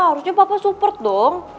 harusnya papa super dong